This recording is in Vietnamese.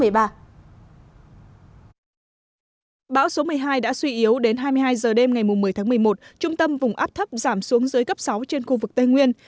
bão số một mươi hai đã suy yếu đến hai mươi hai h đêm ngày một mươi tháng một mươi một trung tâm vùng áp thấp giảm xuống dưới cấp sáu trên khu vực tây nguyên